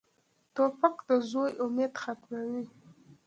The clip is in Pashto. توپک د زوی امید ختموي.